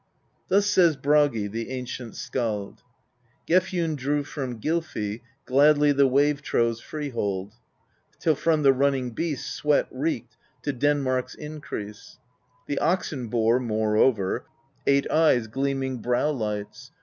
Thus says Bragi, the ancient skald: Gefjun drew from Gylfi gladly the wave trove's free hold, Till from the running beasts sweat reeked, to Den mark's increase; The oxen bore, moreover, eight eyes, gleaming brow lights.